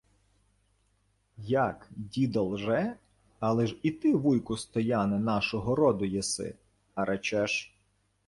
— Як, дідо лже? Але ж і ти, вуйку Стояне, нашого роду єси, а речеш...